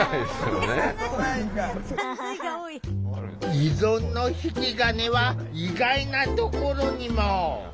依存の引き金は意外なところにも。